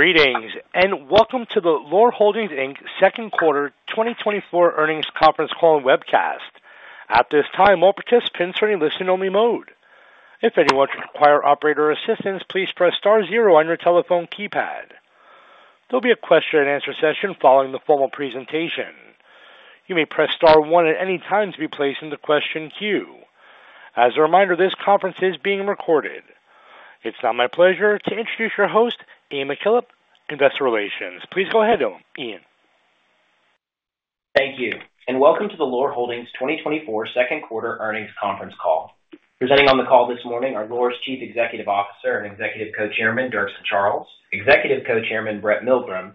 Greetings, and welcome to the Loar Holdings Inc. second quarter 2024 earnings conference call and webcast. At this time, all participants are in listen only mode. If anyone should require operator assistance, please press star zero on your telephone keypad. There'll be a question and answer session following the formal presentation. You may press star one at any time to be placed in the question queue. As a reminder, this conference is being recorded. It's now my pleasure to introduce your host, Ian McKillop, Investor Relations. Please go ahead, Ian. Thank you, and welcome to the Loar Holdings 2024 second quarter earnings conference call. Presenting on the call this morning are Loar's Chief Executive Officer and Executive Co-Chairman, Dirkson Charles, Executive Co-Chairman, Brett Milgrim,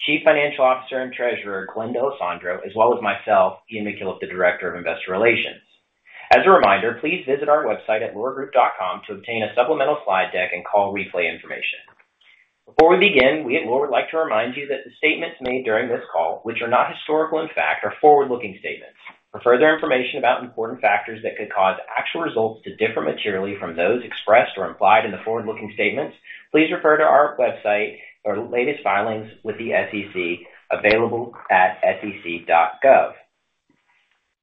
Chief Financial Officer and Treasurer, Glenn D'Alessandro, as well as myself, Ian McKillop, the Director of Investor Relations. As a reminder, please visit our website at loargroup.com to obtain a supplemental slide deck and call replay information. Before we begin, we at Loar would like to remind you that the statements made during this call, which are not historical in fact, are forward-looking statements. For further information about important factors that could cause actual results to differ materially from those expressed or implied in the forward-looking statements, please refer to our website or latest filings with the SEC, available at sec.gov.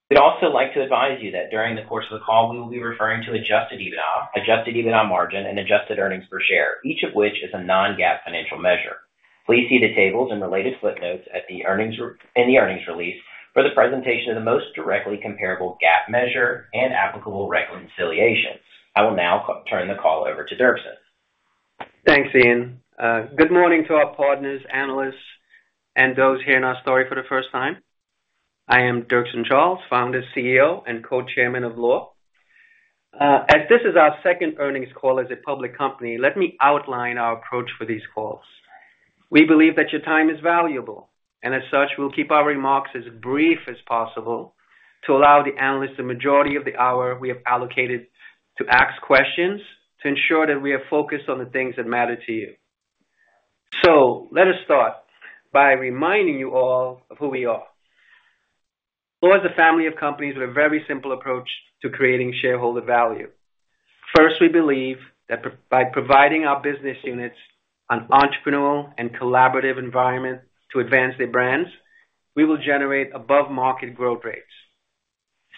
We'd also like to advise you that during the course of the call, we will be referring to adjusted EBITDA, adjusted EBITDA margin, and adjusted earnings per share, each of which is a non-GAAP financial measure. Please see the tables and the latest footnotes in the earnings release for the presentation of the most directly comparable GAAP measure and applicable reconciliations. I will now turn the call over to Dirkson. Thanks, Ian. Good morning to our partners, analysts, and those hearing our story for the first time. I am Dirkson Charles, founder, CEO, and Co-Chairman of Loar. As this is our second earnings call as a public company, let me outline our approach for these calls. We believe that your time is valuable, and as such, we'll keep our remarks as brief as possible to allow the analysts the majority of the hour we have allocated to ask questions, to ensure that we are focused on the things that matter to you. So let us start by reminding you all of who we are. Loar is a family of companies with a very simple approach to creating shareholder value. First, we believe that by providing our business units an entrepreneurial and collaborative environment to advance their brands, we will generate above market growth rates.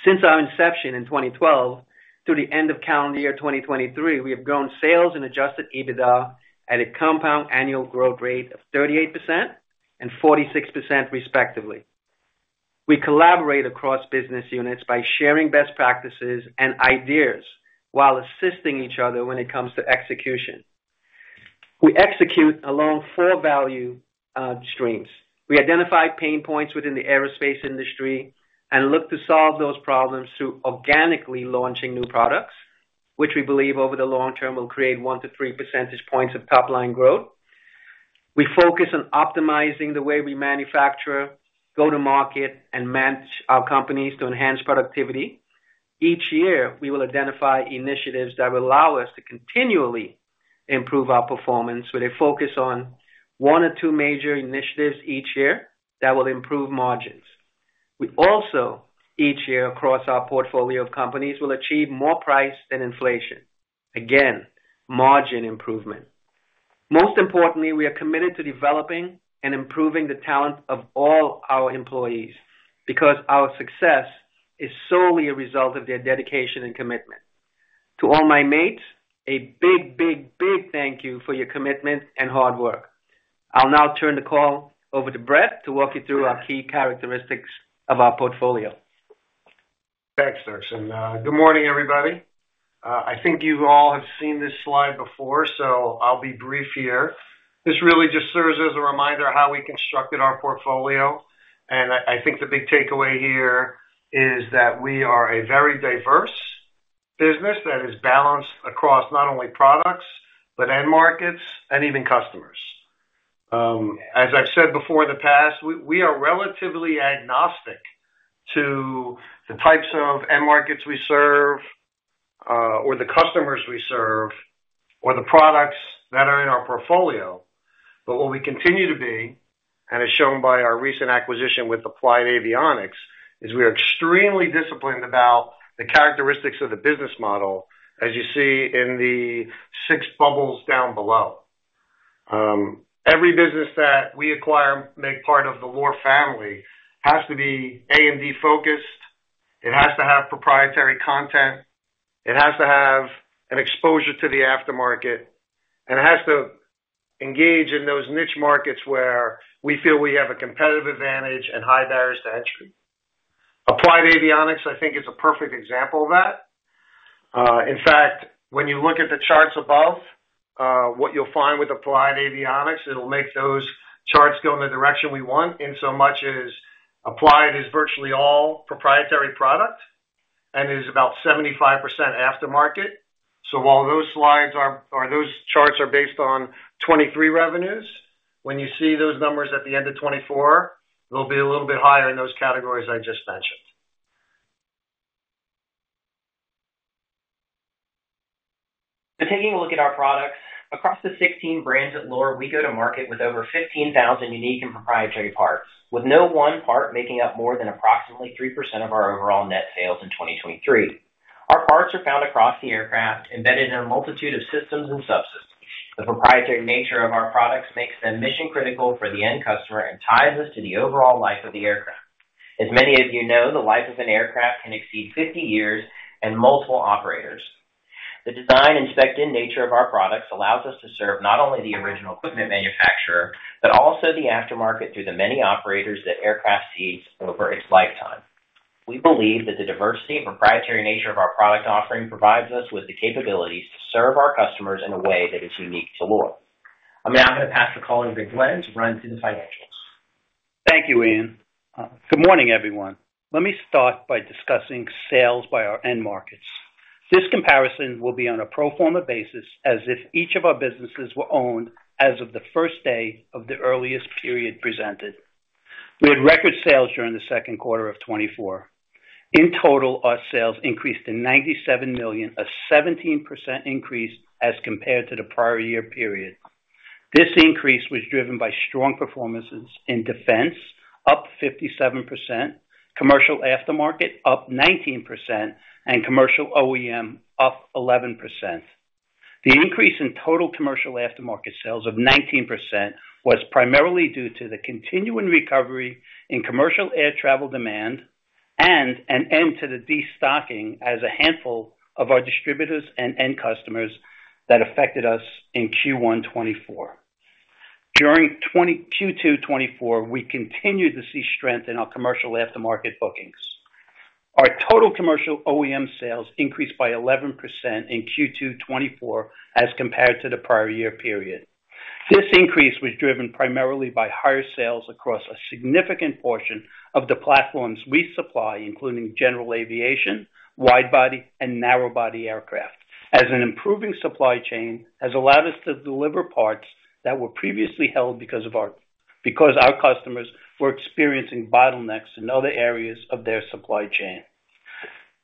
Since our inception in 2012 through the end of calendar year 2023, we have grown sales and Adjusted EBITDA at a compound annual growth rate of 38% and 46%, respectively. We collaborate across business units by sharing best practices and ideas while assisting each other when it comes to execution. We execute along four value streams. We identify pain points within the aerospace industry and look to solve those problems through organically launching new products, which we believe over the long-term will create 1%-3% percentage points of top-line growth. We focus on optimizing the way we manufacture, go to market, and manage our companies to enhance productivity. Each year, we will identify initiatives that will allow us to continually improve our performance, with a focus on one or two major initiatives each year that will improve margins. We also, each year, across our portfolio of companies, will achieve more price than inflation. Again, margin improvement. Most importantly, we are committed to developing and improving the talent of all our employees, because our success is solely a result of their dedication and commitment. To all my mates, a big, big, big thank you for your commitment and hard work. I'll now turn the call over to Brett to walk you through our key characteristics of our portfolio. Thanks, Dirkson. Good morning, everybody. I think you all have seen this slide before, so I'll be brief here. This really just serves as a reminder of how we constructed our portfolio, and I think the big takeaway here is that we are a very diverse business that is balanced across not only products, but end markets and even customers. As I've said before in the past, we are relatively agnostic to the types of end markets we serve, or the customers we serve, or the products that are in our portfolio. But what we continue to be, and as shown by our recent acquisition with Applied Avionics, is we are extremely disciplined about the characteristics of the business model, as you see in the six bubbles down below. Every business that we acquire make part of the Loar family has to be A&D focused, it has to have proprietary content, it has to have an exposure to the aftermarket, and it has to engage in those niche markets where we feel we have a competitive advantage and high barriers to entry. Applied Avionics, I think, is a perfect example of that. In fact, when you look at the charts above, what you'll find with Applied Avionics, it'll make those charts go in the direction we want, in so much as Applied is virtually all proprietary product and is about 75% aftermarket. So while those slides are or those charts are based on 2023 revenues, when you see those numbers at the end of 2024, they'll be a little bit higher in those categories I just mentioned. So taking a look at our products, across the 16 brands at Loar, we go to market with over 15,000 unique and proprietary parts, with no one part making up more than approximately 3% of our overall net sales in 2023. Our parts are found across the aircraft, embedded in a multitude of systems and subsystems. The proprietary nature of our products makes them mission-critical for the end customer and ties us to the overall life of the aircraft. As many of you know, the life of an aircraft can exceed 50 years and multiple operators. The design and spec'd-in nature of our products allows us to serve not only the Original Equipment Manufacturer, but also the aftermarket through the many operators that aircraft sees over its lifetime. We believe that the diversity and proprietary nature of our product offering provides us with the capabilities to serve our customers in a way that is unique to Loar. I'm now going to pass the call over to Glenn to run through the financials. Thank you, Ian. Good morning, everyone. Let me start by discussing sales by our end markets. This comparison will be on a pro forma basis, as if each of our businesses were owned as of the first day of the earliest period presented. We had record sales during the second quarter of 2024. In total, our sales increased to $97 million, a 17% increase as compared to the prior-year period. This increase was driven by strong performances in defense, up 57%, commercial aftermarket, up 19%, and commercial OEM, up 11%. The increase in total commercial aftermarket sales of 19% was primarily due to the continuing recovery in commercial air travel demand and an end to the destocking as a handful of our distributors and end customers that affected us in Q1 2024. During Q2 2024, we continued to see strength in our commercial aftermarket bookings. Our total commercial OEM sales increased by 11% in Q2 2024 as compared to the prior-year period. This increase was driven primarily by higher sales across a significant portion of the platforms we supply, including general aviation, wide body, and narrow body aircraft, as an improving supply chain has allowed us to deliver parts that were previously held because of our, because our customers were experiencing bottlenecks in other areas of their supply chain.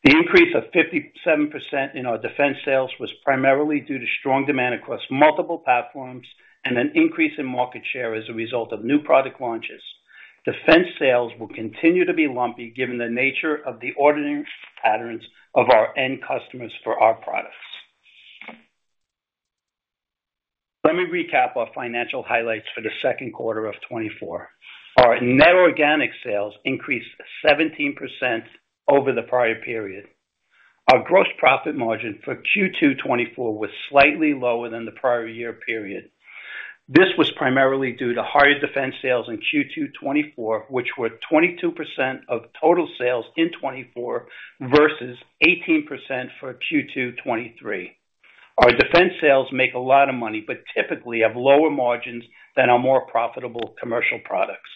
The increase of 57% in our defense sales was primarily due to strong demand across multiple platforms and an increase in market share as a result of new product launches. Defense sales will continue to be lumpy, given the nature of the ordering patterns of our end customers for our products. Let me recap our financial highlights for the second quarter of 2024. Our net organic sales increased 17% over the prior-period. Our gross profit margin for Q2 2024 was slightly lower than the prior-year period. This was primarily due to higher defense sales in Q2 2024, which were 22% of total sales in 2024, versus 18% for Q2 2024. Our defense sales make a lot of money, but typically have lower margins than our more profitable commercial products.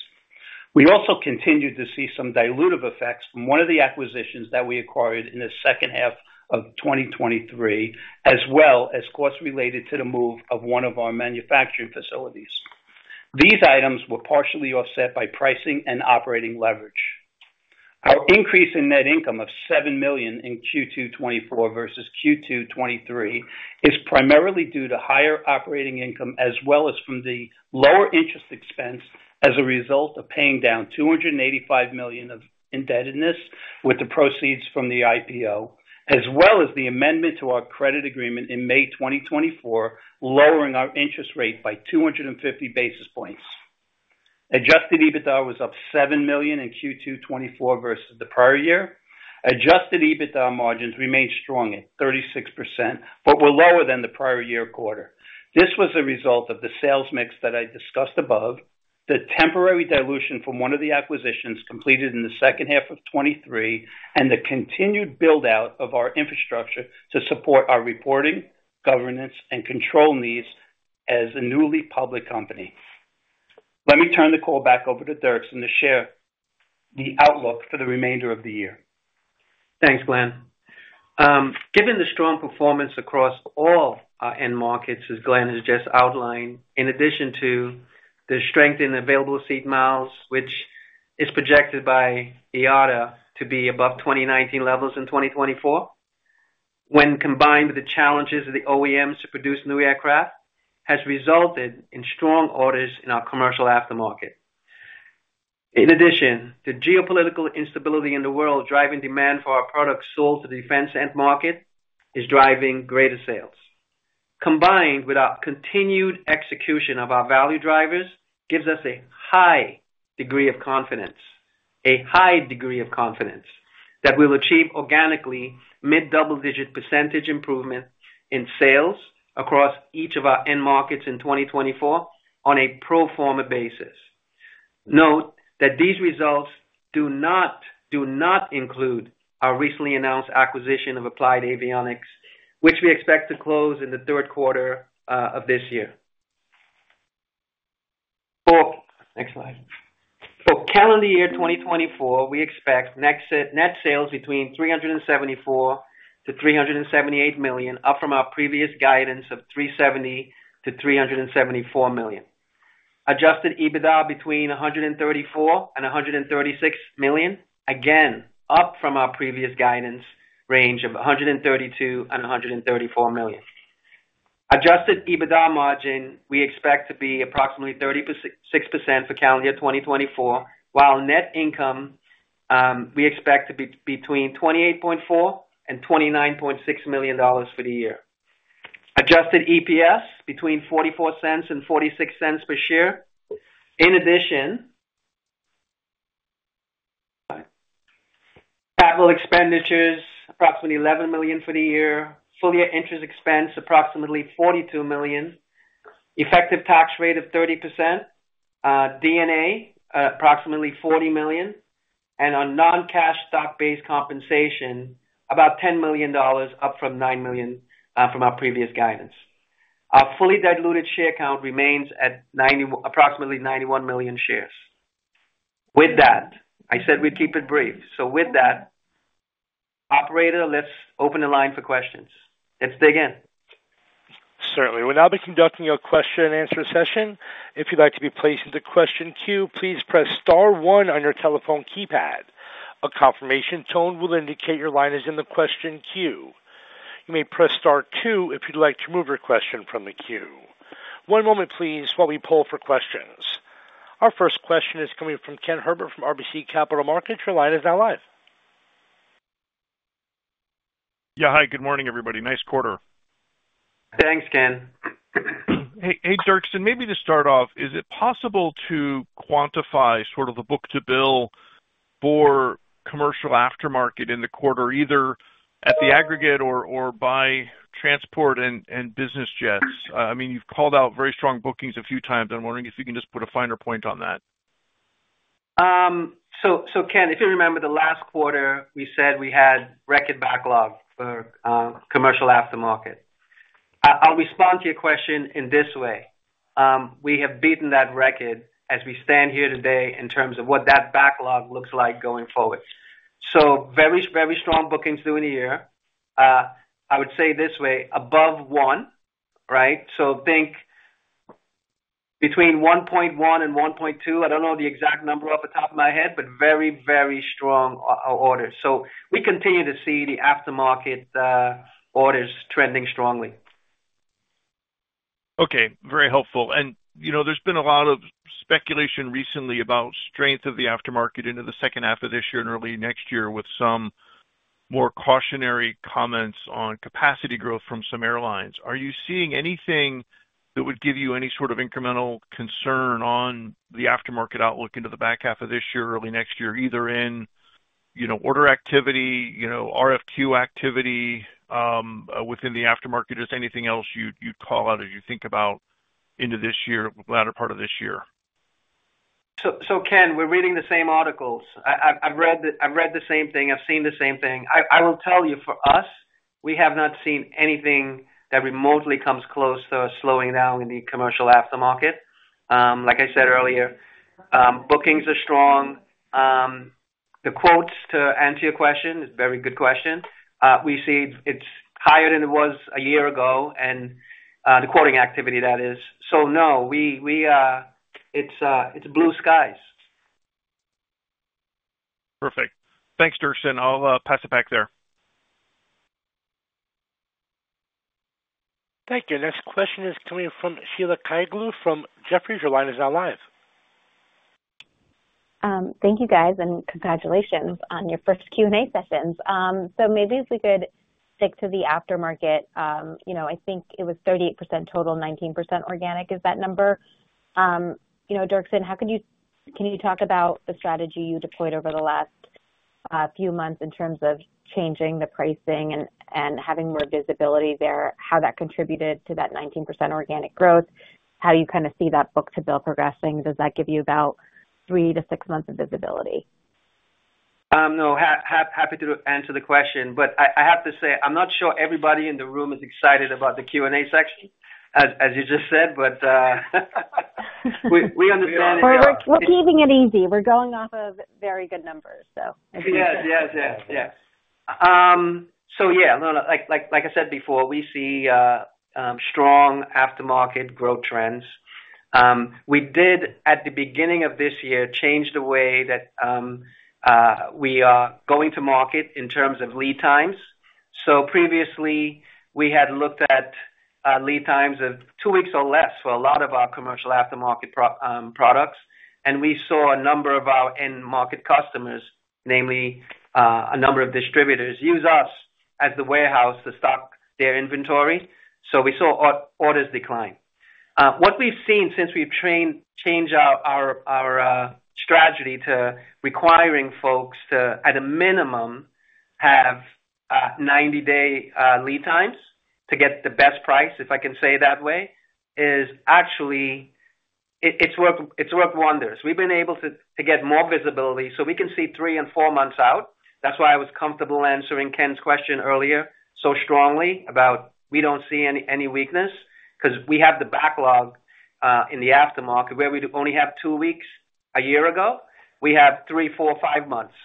We also continued to see some dilutive effects from one of the acquisitions that we acquired in the second half of 2023, as well as costs related to the move of one of our manufacturing facilities. These items were partially offset by pricing and operating leverage. Our increase in net income of $7 million in Q2 2024 versus Q2 2023 is primarily due to higher operating income, as well as from the lower interest expense as a result of paying down $285 million of indebtedness with the proceeds from the IPO, as well as the amendment to our credit agreement in May 2024, lowering our interest rate by 250 basis points. Adjusted EBITDA was up $7 million in Q2 2024 versus the prior-year. Adjusted EBITDA margins remained strong at 36%, but were lower than the prior-year quarter. This was a result of the sales mix that I discussed above, the temporary dilution from one of the acquisitions completed in the second half of 2023, and the continued build-out of our infrastructure to support our reporting, governance, and control needs as a newly public company. Let me turn the call back over to Dirkson to share the outlook for the remainder of the year. Thanks, Glenn. Given the strong performance across all our end markets, as Glenn has just outlined, in addition to the strength in available seat miles, which is projected by IATA to be above 2019 levels in 2024, when combined with the challenges of the OEMs to produce new aircraft, has resulted in strong orders in our commercial aftermarket. In addition, the geopolitical instability in the world, driving demand for our products sold to the defense end market, is driving greater sales. Combined with our continued execution of our value drivers, gives us a high degree of confidence, a high degree of confidence, that we'll achieve organically, mid-double-digit % improvement in sales across each of our end markets in 2024 on a pro forma basis. Note that these results do not, do not include our recently announced acquisition of Applied Avionics, which we expect to close in the third quarter of this year. Next slide. For calendar year 2024, we expect net sales between $374 million-$378 million, up from our previous guidance of $370 million-$374 million. Adjusted EBITDA between $134 million-$136 million, again, up from our previous guidance range of $132 million-$134 million. Adjusted EBITDA margin, we expect to be approximately 36% for calendar year 2024, while net income, we expect to be between $28.4 million-$29.6 million for the year. Adjusted EPS between $0.44-$0.46 per share. In addition, capital expenditures, approximately $11 million for the year. Full year interest expense, approximately $42 million. Effective tax rate of 30%. D&A, approximately $40 million, and on non-cash stock-based compensation, about $10 million, up from $9 million, from our previous guidance. Our fully diluted share count remains at approximately 91 million shares. With that, I said we'd keep it brief, so with that, operator, let's open the line for questions. Let's dig in. Certainly. We'll now be conducting your question and answer session. If you'd like to be placed in the question queue, please press star one on your telephone keypad. A confirmation tone will indicate your line is in the question queue. You may press star two if you'd like to remove your question from the queue. One moment please, while we poll for questions. Our first question is coming from Ken Herbert, from RBC Capital Markets. Your line is now live. Yeah. Hi, good morning, everybody. Nice quarter. Thanks, Ken. Hey, hey, Dirkson, maybe to start off, is it possible to quantify sort of the book-to-bill for commercial aftermarket in the quarter, either at the aggregate or, or by transport and, and business jets? I mean, you've called out very strong bookings a few times. I'm wondering if you can just put a finer point on that. So, so Ken, if you remember the last quarter, we said we had record backlog for commercial aftermarket. I, I'll respond to your question in this way: we have beaten that record as we stand here today in terms of what that backlog looks like going forward. So very, very strong bookings through the year. I would say this way, above 1, right? So think between 1.1 and 1.2. I don't know the exact number off the top of my head, but very, very strong orders. So we continue to see the aftermarket orders trending strongly. Okay, very helpful. And, you know, there's been a lot of speculation recently about strength of the aftermarket into the second half of this year and early next year, with some more cautionary comments on capacity growth from some airlines. Are you seeing anything that would give you any sort of incremental concern on the aftermarket outlook into the back half of this year, early next year, either in, you know, order activity, you know, RFQ activity, within the aftermarket, or is there anything else you'd call out or you think about into this year, latter part of this year? So, Ken, we're reading the same articles. I've read the same thing, I've seen the same thing. I will tell you, for us, we have not seen anything that remotely comes close to slowing down in the commercial aftermarket. Like I said earlier, bookings are strong. The quotes, to answer your question, it's a very good question. We see it's higher than it was a year ago, and the quoting activity that is. So no, it's blue skies. Perfect. Thanks, Dirkson. I'll pass it back there. Thank you. Next question is coming from Sheila Kahyaoglu, from Jefferies. Your line is now live. Thank you, guys, and congratulations on your first Q&A sessions. So maybe if we could stick to the aftermarket. You know, I think it was 38% total, 19% organic. Is that number? You know, Dirkson, can you talk about the strategy you deployed over the last few months in terms of changing the pricing and having more visibility there, how that contributed to that 19% organic growth? How do you kind of see that book-to-bill progressing? Does that give you about three to six months of visibility? No, happy to answer the question, but I have to say, I'm not sure everybody in the room is excited about the Q&A section, as you just said. But we understand. We're keeping it easy. We're going off of very good numbers, so. Yes. Yes. Yes. Yes. So yeah, no, like, like, like I said before, we see strong aftermarket growth trends. We did, at the beginning of this year, change the way that we are going to market in terms of lead times. So previously, we had looked at lead times of two weeks or less for a lot of our commercial aftermarket products, and we saw a number of our end-market customers, namely, a number of distributors, use us as the warehouse to stock their inventory. So we saw orders decline. What we've seen since we've changed our strategy to requiring folks to, at a minimum, have 90-day lead times to get the best price, if I can say it that way, is actually, it's worked wonders. We've been able to get more visibility, so we can see three and four months out. That's why I was comfortable answering Ken's question earlier so strongly about we don't see any weakness, 'cause we have the backlog in the aftermarket where we only have two weeks a year ago, we have three, four, five, months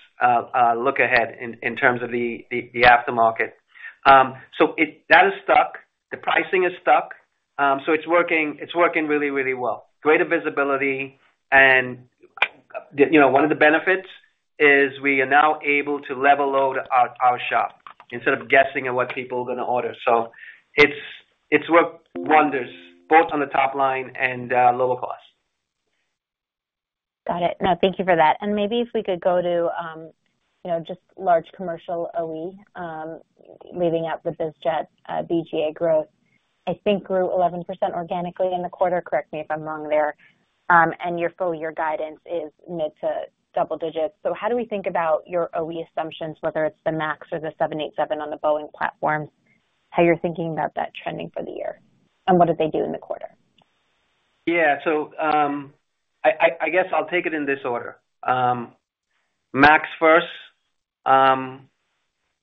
look ahead in terms of the aftermarket. So that is stuck. The pricing is stuck. So it's working, it's working really, really well. Greater visibility and the, you know, one of the benefits is we are now able to level load our shop instead of guessing at what people are gonna order. So it's worked wonders, both on the top line and lower cost. Got it. No, thank you for that. And maybe if we could go to, you know, just large commercial OE, leaving out the bizjet, BGA growth, I think grew 11% organically in the quarter, correct me if I'm wrong there. And your full year guidance is mid to double digits. So how do we think about your OE assumptions, whether it's the MAX or the 787 on the Boeing platform, how you're thinking about that trending for the year, and what did they do in the quarter? Yeah. So, I guess I'll take it in this order. MAX first,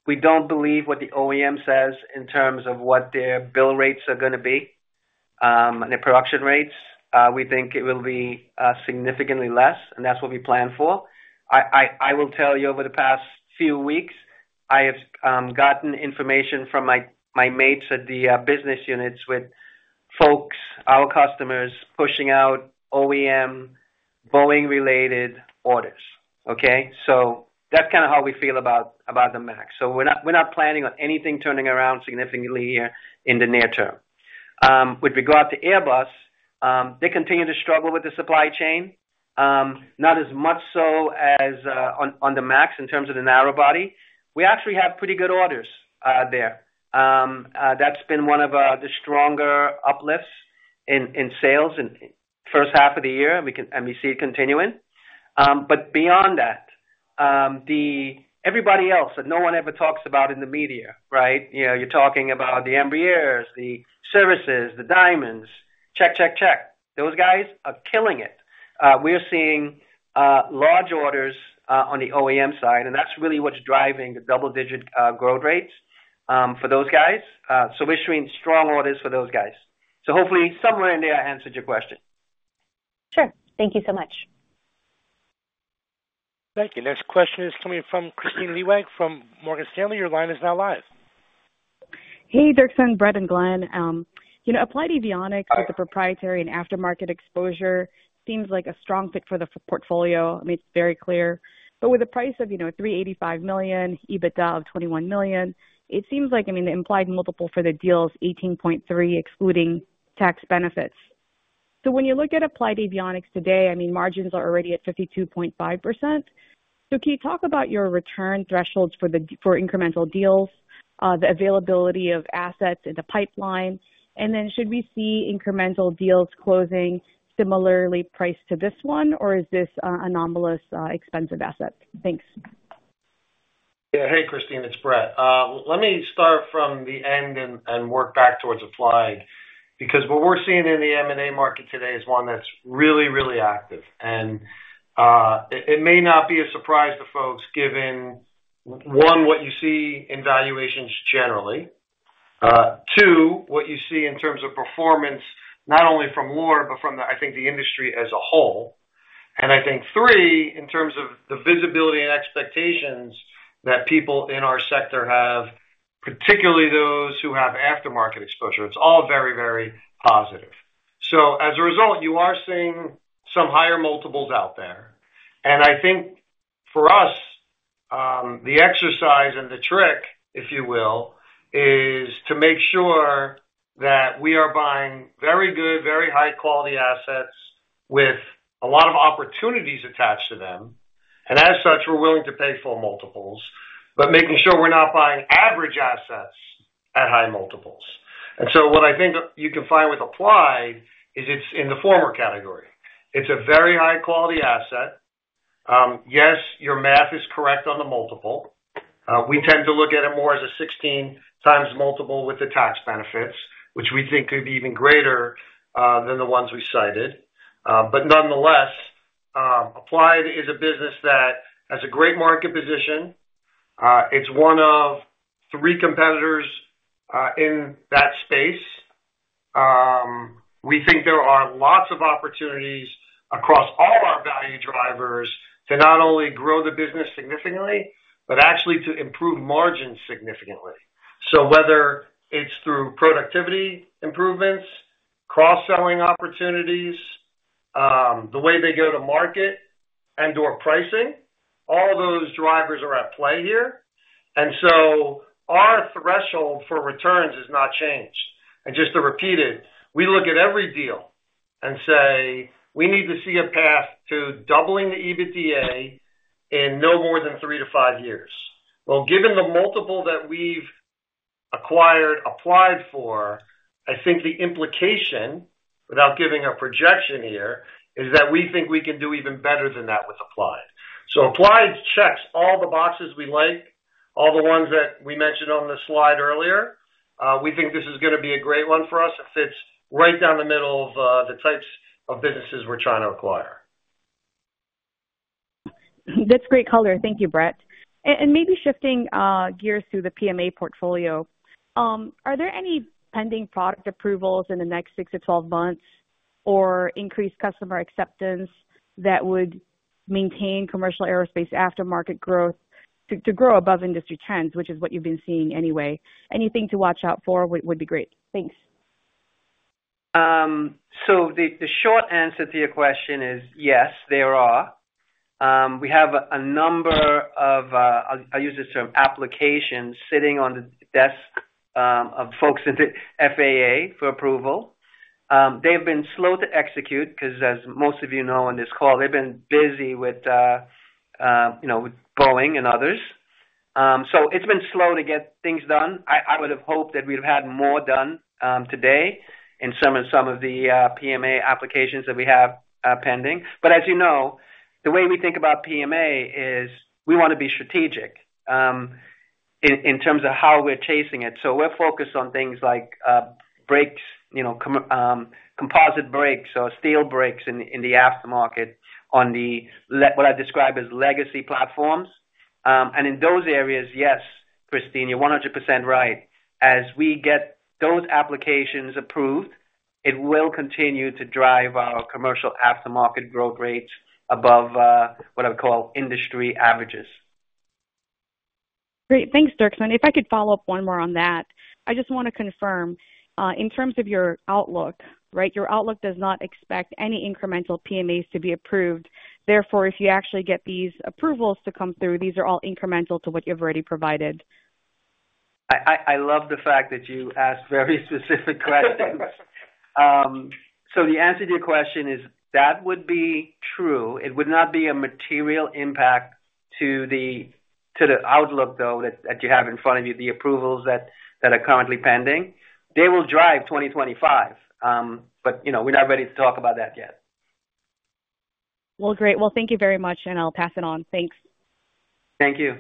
we don't believe what the OEM says in terms of what their build rates are gonna be, and their production rates. We think it will be significantly less, and that's what we plan for. I will tell you, over the past few weeks, I have gotten information from my mates at the business units with folks, our customers, pushing out OEM Boeing-related orders, okay? So that's kind of how we feel about the MAX. So we're not planning on anything turning around significantly here in the near-term. With regard to Airbus, they continue to struggle with the supply chain. Not as much so as on the MAX in terms of the narrow body. We actually have pretty good orders there. That's been one of the stronger uplifts in sales in first half of the year, and we see it continuing. But beyond that, everybody else that no one ever talks about in the media, right? You know, you're talking about the Embraer, the Cirrus, the Diamonds, check, check, check. Those guys are killing it. We're seeing large orders on the OEM side, and that's really what's driving the double digit growth rates for those guys. So we're seeing strong orders for those guys. So hopefully somewhere in there, I answered your question. Sure. Thank you so much. Thank you. Next question is coming from Kristine Liwag from Morgan Stanley. Your line is now live. Hey, Dirkson, Brett, and Glenn. You know, Applied Avionics with the proprietary and aftermarket exposure seems like a strong fit for the Loar portfolio. I mean, it's very clear. But with a price of, you know, $385 million, EBITDA of $21 million, it seems like, I mean, the implied multiple for the deal is 18.3x, excluding tax benefits. So when you look at Applied Avionics today, I mean, margins are already at 52.5%. So can you talk about your return thresholds for the Loar for incremental deals, the availability of assets in the pipeline? And then, should we see incremental deals closing similarly priced to this one, or is this, anomalous, expensive asset? Thanks. Yeah. Hey, Kristine, it's Brett. Let me start from the end and work back towards Applied, because what we're seeing in the M&A market today is one that's really, really active. And it may not be a surprise to folks, given one, what you see in valuations generally, two, what you see in terms of performance, not only from Loar, but from the, I think, the industry as a whole. And I think three, in terms of the visibility and expectations that people in our sector have, particularly those who have aftermarket exposure, it's all very, very positive. So as a result, you are seeing some higher multiples out there. I think for us, the exercise and the trick, if you will, is to make sure that we are buying very good, very high-quality assets with a lot of opportunities attached to them, and as such, we're willing to pay full multiples, but making sure we're not buying average assets at high multiples. So what I think you can find with Applied is it's in the former category. It's a very high-quality asset. Yes, your math is correct on the multiple. We tend to look at it more as a 16x multiple with the tax benefits, which we think could be even greater, than the ones we cited. But nonetheless, Applied is a business that has a great market position. It's one of three competitors, in that space. We think there are lots of opportunities across all our value drivers to not only grow the business significantly, but actually to improve margins significantly. So whether it's through productivity improvements, cross-selling opportunities, the way they go to market and/or pricing, all those drivers are at play here. And so our threshold for returns has not changed. And just to repeat it, we look at every deal and say: We need to see a path to doubling the EBITDA in no more than 3-5 years. Well, given the multiple that we've acquired Applied for, I think the implication, without giving a projection here, is that we think we can do even better than that with Applied. So Applied checks all the boxes we like, all the ones that we mentioned on the slide earlier. We think this is gonna be a great one for us. It fits right down the middle of the types of businesses we're trying to acquire. That's great color. Thank you, Brett. And maybe shifting gears to the PMA portfolio. Are there any pending product approvals in the next six to 12 months or increased customer acceptance that would maintain commercial aerospace aftermarket growth to grow above industry trends, which is what you've been seeing anyway? Anything to watch out for would be great. Thanks. So the short answer to your question is yes, there are. We have a number of applications sitting on the desk of folks in the FAA for approval. They've been slow to execute because, as most of you know on this call, they've been busy with, you know, with Boeing and others. So it's been slow to get things done. I would have hoped that we'd have had more done today in some of the PMA applications that we have pending. But as you know, the way we think about PMA is we wanna be strategic in terms of how we're chasing it. So we're focused on things like brakes, you know, composite brakes or steel brakes in the aftermarket on what I describe as legacy platforms. And in those areas, yes, Kristine, you're 100% right. As we get those applications approved, it will continue to drive our commercial aftermarket growth rates above what I would call industry averages. Great. Thanks, Dirkson. If I could follow up one more on that. I just wanna confirm, in terms of your outlook, right? Your outlook does not expect any incremental PMAs to be approved; therefore, if you actually get these approvals to come through, these are all incremental to what you've already provided. I love the fact that you ask very specific questions. So the answer to your question is, that would be true. It would not be a material impact to the outlook, though, that you have in front of you, the approvals that are currently pending. They will drive 2025, but, you know, we're not ready to talk about that yet. Well, great. Well, thank you very much, and I'll pass it on. Thanks. Thank you.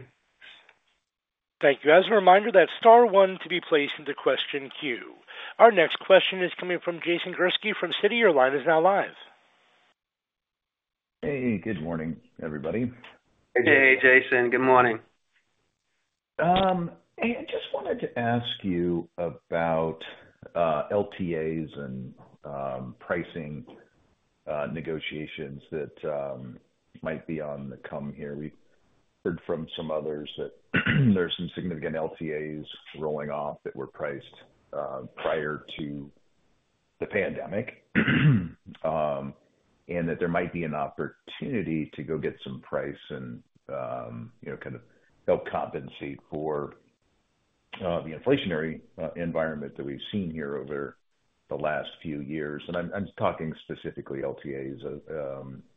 Thank you. As a reminder, that's star one to be placed into question queue. Our next question is coming from Jason Gursky from Citi. Your line is now live. Hey, good morning, everybody. Hey, Jason. Good morning. I just wanted to ask you about LTAs and pricing negotiations that might be on the come here. We've heard from some others that there are some significant LTAs rolling off that were priced prior to the pandemic. And that there might be an opportunity to go get some price and you know kind of help compensate for the inflationary environment that we've seen here over the last few years. And I'm talking specifically LTAs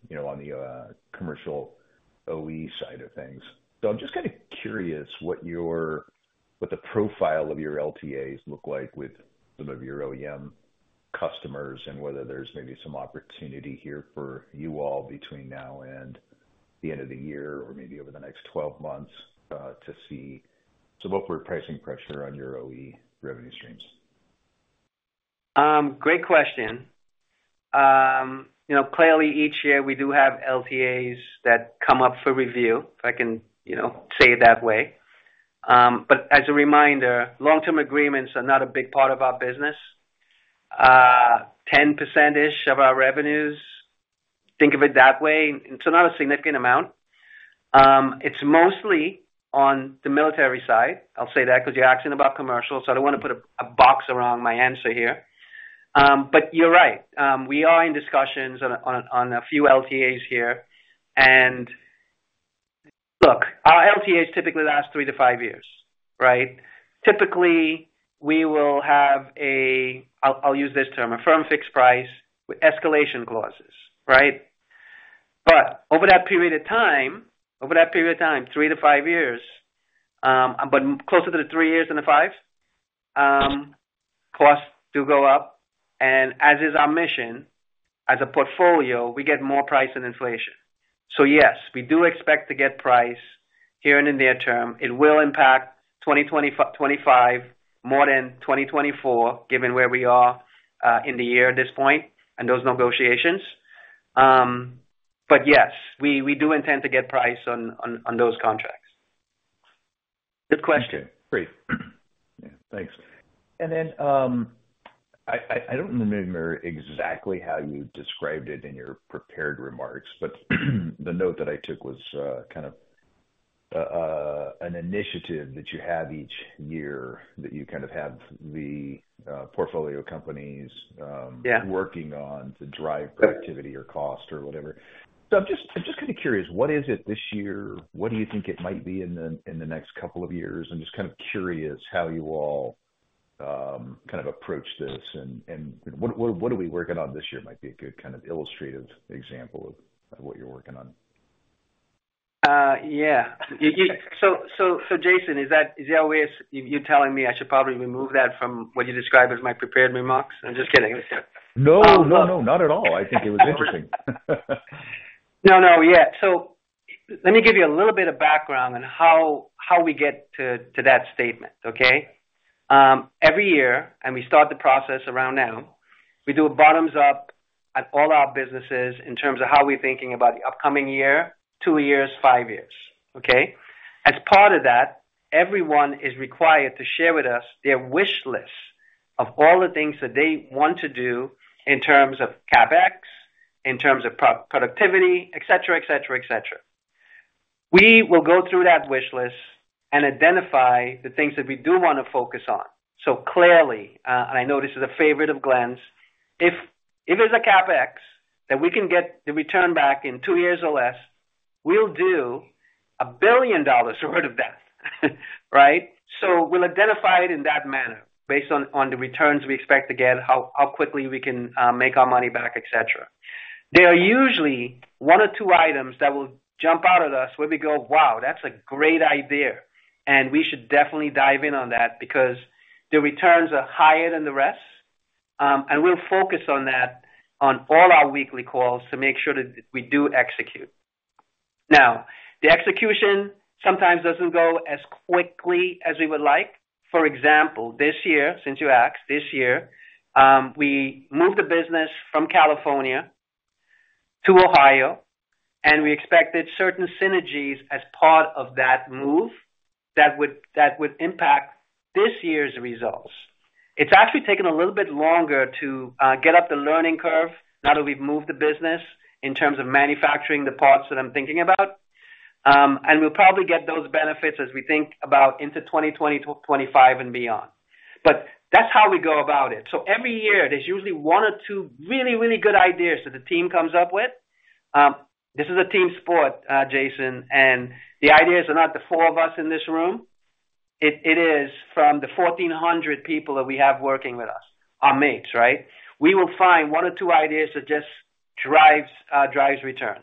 you know on the commercial OE side of things. So I'm just kind of curious what the profile of your LTAs look like with some of your OEM customers, and whether there's maybe some opportunity here for you all between now and the end of the year or maybe over the next 12 months to see some upward pricing pressure on your OE revenue streams. Great question. You know, clearly each year we do have LTAs that come up for review, if I can, you know, say it that way. But as a reminder, long-term agreements are not a big part of our business. 10%-ish of our revenues, think of it that way. It's not a significant amount. It's mostly on the military side. I'll say that because you're asking about commercial, so I don't want to put a box around my answer here. But you're right. We are in discussions on a few LTAs here. And look, our LTAs typically last 3-5 years, right? Typically, we will have a firm fixed price with escalation clauses, right? But over that period of time, over that period of time, 3-5 years, but closer to the 3 years than the five, costs do go up, and as is our mission, as a portfolio, we get more price than inflation. So yes, we do expect to get price here in the near-term. It will impact 2025, more than 2024, given where we are, in the year at this point and those negotiations. But yes, we, we do intend to get price on, on, on those contracts. Good question. Great. Yeah, thanks. And then, I don't remember exactly how you described it in your prepared remarks, but the note that I took was, kind of, an initiative that you have each year, that you kind of have the portfolio companies. Yeah Working on to drive productivity or cost or whatever. So I'm just, I'm just kind of curious, what is it this year? What do you think it might be in the, in the next couple of years? I'm just kind of curious how you all, kind of approach this and, and what, what, what are we working on this year, might be a good kind of illustrative example of, of what you're working on. Yeah. So, Jason, is that the way you're telling me I should probably remove that from what you described as my prepared remarks? I'm just kidding. No, no, no, not at all. I think it was interesting. No, no. Yeah. So let me give you a little bit of background on how, how we get to, to that statement, okay? Every year, and we start the process around now, we do a bottoms up at all our businesses in terms of how we're thinking about the upcoming year, two years, five years, okay? As part of that, everyone is required to share with us their wish list of all the things that they want to do in terms of CapEx, in terms of pro-productivity, etc. We will go through that wish list and identify the things that we do want to focus on. So clearly, and I know this is a favorite of Glenn's, if, if it's a CapEx that we can get the return back in two years or less, we'll do $1 billion worth of that, right? So we'll identify it in that manner, based on the returns we expect to get, how quickly we can make our money back, etc. There are usually one or two items that will jump out at us, where we go, "Wow, that's a great idea," and we should definitely dive in on that because the returns are higher than the rest. And we'll focus on that on all our weekly calls to make sure that we do execute. Now, the execution sometimes doesn't go as quickly as we would like. For example, this year, since you asked, this year, we moved the business from California to Ohio, and we expected certain synergies as part of that move that would impact this year's results. It's actually taken a little bit longer to get up the learning curve now that we've moved the business in terms of manufacturing the parts that I'm thinking about. We'll probably get those benefits as we think about into 2020 to 2025 and beyond. That's how we go about it. Every year, there's usually one or two really, really good ideas that the team comes up with. This is a team sport, Jason, and the ideas are not the four of us in this room, it, it is from the 1,400 people that we have working with us, our mates, right? We will find one or two ideas that just drives, drives return.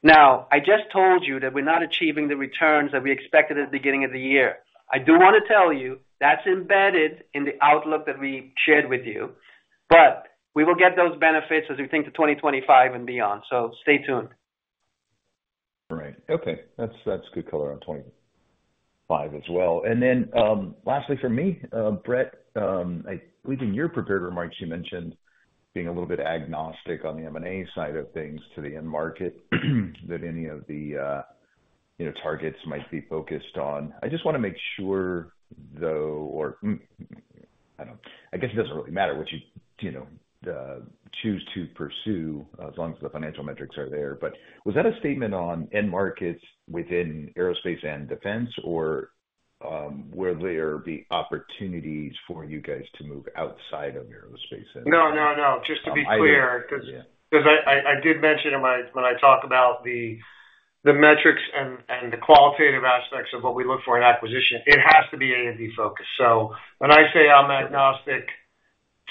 Now, I just told you that we're not achieving the returns that we expected at the beginning of the year. I do wanna tell you, that's embedded in the outlook that we shared with you, but we will get those benefits as we think to 2025 and beyond. So stay tuned. All right. Okay. That's good color on 25 as well. And then, lastly, for me, Brett, I believe in your prepared remarks, you mentioned being a little bit agnostic on the M&A side of things to the end market, that any of the, you know, targets might be focused on. I just wanna make sure, though, I don't know. I guess it doesn't really matter what you, you know, choose to pursue, as long as the financial metrics are there. But was that a statement on end markets within aerospace and defense, or, will there be opportunities for you guys to move outside of aerospace and. No, no, no. Just to be clear. Yeah. Because I did mention when I talked about the metrics and the qualitative aspects of what we look for in acquisition, it has to be A&D focused. So when I say I'm agnostic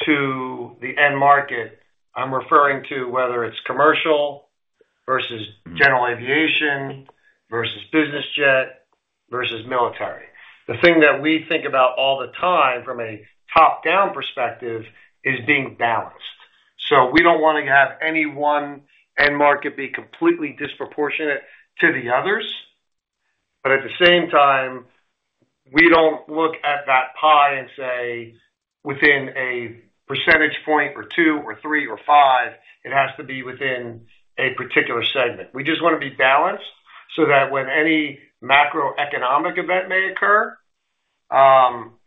to the end market, I'm referring to whether it's commercial versus general aviation, versus business jet, versus military. The thing that we think about all the time from a top-down perspective is being balanced. So we don't wanna have any one end market be completely disproportionate to the others, but at the same time, we don't look at that pie and say, within a percentage point or two or three or five, it has to be within a particular segment. We just wanna be balanced so that when any macroeconomic event may occur,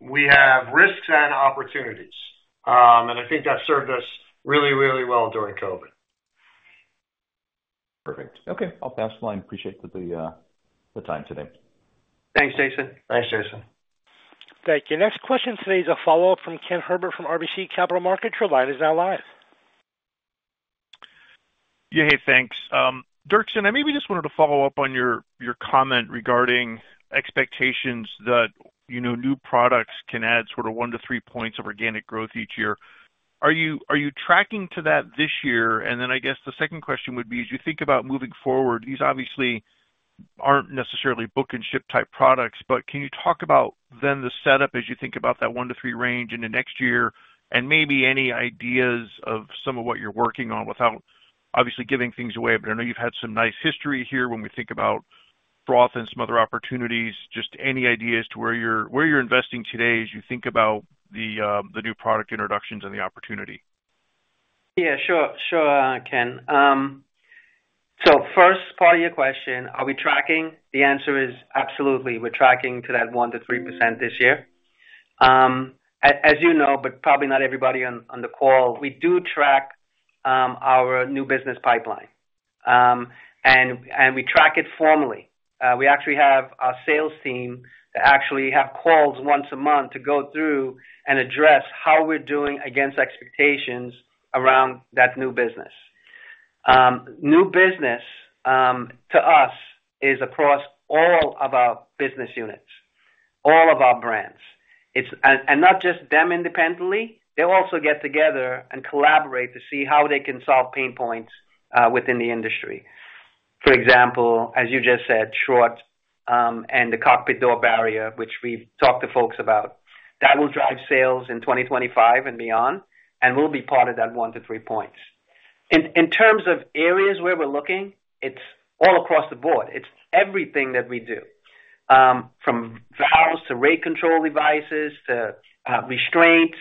we have risks and opportunities. I think that served us really, really well during COVID. Perfect. Okay, I'll pass the line. Appreciate the time today. Thanks, Jason. Thanks, Jason. Thank you. Next question today is a follow-up from Ken Herbert from RBC Capital Markets. Your line is now live. Yeah. Hey, thanks. Dirkson, I maybe just wanted to follow up on your, your comment regarding expectations that, you know, new products can add sort of 1%-3% points of organic growth each year. Are you, are you tracking to that this year? And then I guess the second question would be, as you think about moving forward, these obviously aren't necessarily book and ship type products, but can you talk about then the setup as you think about that 1%-3% range in the next year, and maybe any ideas of some of what you're working on without obviously giving things away? But I know you've had some nice history here when we think about Schroth and some other opportunities. Just any idea as to where you're, where you're investing today as you think about the, the new product introductions and the opportunity? Yeah, sure. Sure, Ken. So first part of your question, are we tracking? The answer is absolutely, we're tracking to that 1%-3% this year. As you know, but probably not everybody on the call, we do track our new business pipeline. And we track it formally. We actually have our sales team that actually have calls once a month to go through and address how we're doing against expectations around that new business. New business to us is across all of our business units, all of our brands. It's. And not just them independently, they'll also get together and collaborate to see how they can solve pain points within the industry. For example, as you just said, Schroth and the cockpit door barrier, which we've talked to folks about. That will drive sales in 2025 and beyond, and we'll be part of that 1%-3% points. In terms of areas where we're looking, it's all across the board. It's everything that we do, from valves to rate control devices, to restraints,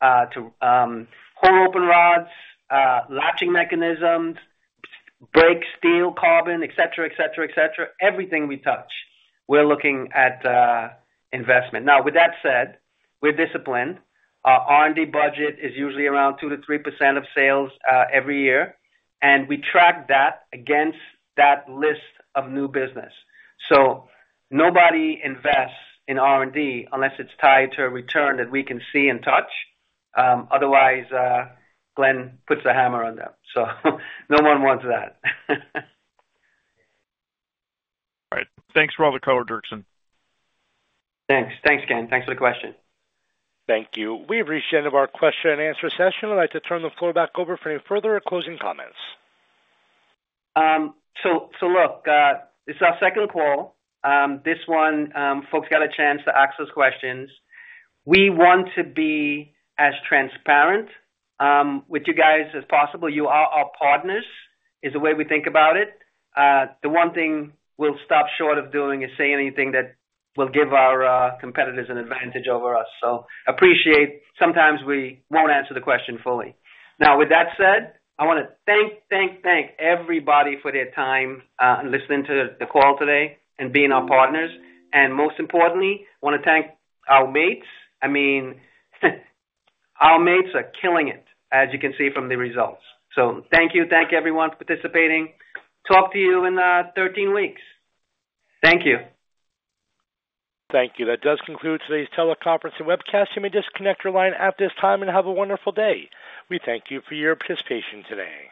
to hold-open rods open rods, latching mechanisms, brake steel, carbon, etc. Everything we touch, we're looking at investment. Now, with that said, we're disciplined. Our R&D budget is usually around 2%-3% of sales every year, and we track that against that list of new business. So nobody invests in R&D unless it's tied to a return that we can see and touch, otherwise, Glenn puts the hammer on them. So no one wants that. All right. Thanks for all the color, Dirkson. Thanks. Thanks, Ken. Thanks for the question. Thank you. We've reached the end of our question and answer session. I'd like to turn the floor back over for any further closing comments. So look, this is our second call. This one, folks got a chance to ask those questions. We want to be as transparent with you guys as possible. You are our partners, is the way we think about it. The one thing we'll stop short of doing is say anything that will give our competitors an advantage over us. So appreciate sometimes we won't answer the question fully. Now, with that said, I wanna thank everybody for their time in listening to the call today and being our partners, and most importantly, wanna thank our mates. I mean, our mates are killing it, as you can see from the results. So thank you. Thank you, everyone, for participating. Talk to you in 13 weeks. Thank you. Thank you. That does conclude today's teleconference and webcast. You may disconnect your line at this time and have a wonderful day. We thank you for your participation today.